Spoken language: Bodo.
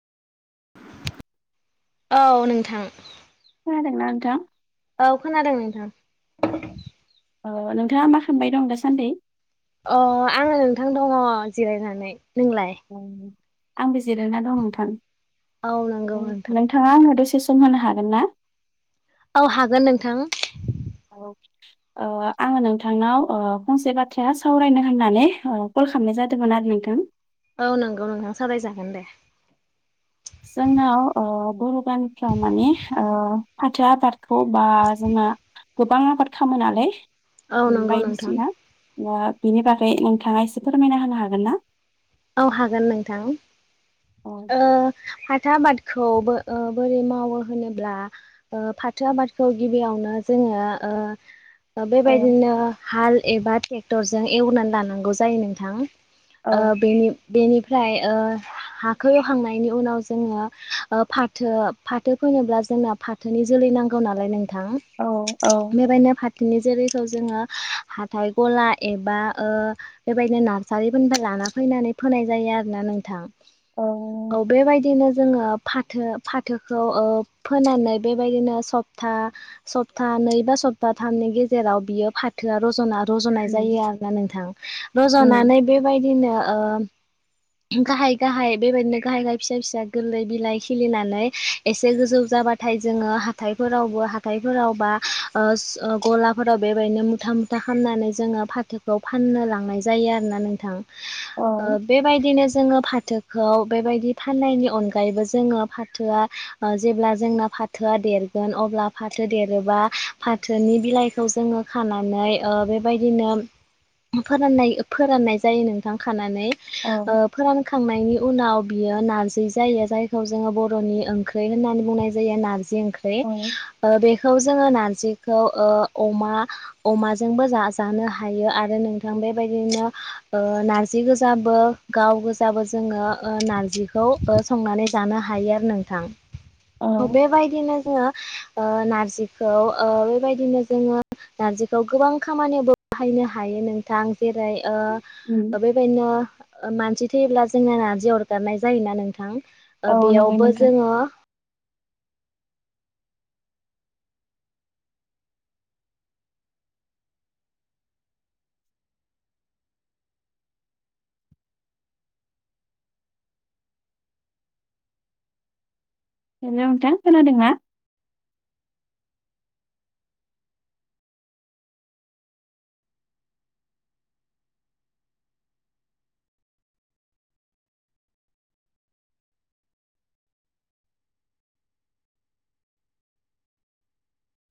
औ नोंथां । खोनादोंना नोंथां? औ खोनादों नोंथां । अ नोंथाङा मा खामबाय दं दा सान्दै? अ आङो नोंथां दङ जिरायनानै । आंबो जिरायना दं नोंथां औ नंगौ नोंथां नोंथाङा आंनो दसे सम सम होनो हागोन ना? औ हागोन नोंथां । आङो नोंथांनाव ओ फंसे बाथ्राया सावरायनो होननानै कल खालामनाय जादोंमोन आरो नोंथां औ नंगौ नोंहां सावरायजागोन दे जोंनाव अ बर' गामिफ्राव माने फाथो आबादखौ बा जोंना गोबां आबाद खामो नालाय औ नंगौ नोंथां बायदिसिना ओ बिनि बागै नोंथाङा एसे फोरमायना होनो हागोन ना? औ हागोन नोंथां औ ओ फाथो आबादखौ बोरै मावो होनोब्ला फाथो आबादखौ गिबियावनो जों ओ ओ औ बेबायदिनो हाल एबा ट्रेक्टरजों एवनानै लानांगौ जायो नोंथां । औ बे बेनिफ्राय ओ हाखो एवखांनायनि उनाव जोङो फाथो फाथो फोनोब्ला जोंनो फाथोनि जोलै नांगौ नालाय नोंथां औ औ बेबायनो फाथो बिनि जोलैखौ जोङो हाथाय गला एबा ओ बेबायदिनो नारसारिफोरनिफ्राय लाना फैनानै फोनाय जायो आरोना नोंथां औ बेबायदिनो जोङो फाथो फाथोखौ औ फोनानै बेबायदिनो सप्ताह सप्ताह नै बा सप्ताथामनि गेजेराव बियो फाथोआ रजना रज'नाय उम जायो आरोना नोंथां उम रज'नानै बेबायदिनो ओ गाहाय गाहाय बेबायदिनो गाहाय गाहाय फिसा फिसा गोरलै बिलाइ खिलिनानै एसे गोजौ जाबाथाय जोङो हाथायफोरावबो‌ हाथायफोरावबा ओ गलाफोराव बेबायदिनो मुथा मुथा ख खालामनानै जोङो फाथोखौ फाननो लांनाय जायो आरोना नोंथां । औ बेबायदिनो जोङो फाथो फाथोखौ बेबायदि फाननायनि अनगायैबो जोङो फाथोआ जेब्ला जोंना फाथोआ देरगोन अब्ला फाथो देरोबा फाथोनि बिलाइखौ जो खबाय दिनो फोर फोराननाय जायो नोंथां । नानै औ फोरानखांनायनि उनाव बियो नारजि जायो जायखौ जोङो बर'नि ओंख्रि होननानै बुंनाय जायो नारजि जि ओंख्रि औ बेखोव जोङो नारजिखौ अमाजोंबो जानो हायो आरो नोंथां बेबाय [inaudible] नारजि गोजाबो गाव गोजाबो जोङो नारजिखौ संनानै जानो हायो आरो औ नोंथां बेबायदिनो जोङो नारजिखौ बेबायदिनो जोङो नारजिखौ गोबां खामानियावबो बाहायनो हायो नोंथां जेरै उम, बेबायदिनो मानसि थैयोब्ला जोंना नारजि अरगारनाय जायोना नोंथां औ नंगौ बेयावबो नोंथां जोङो हेलथा खोनादोंङा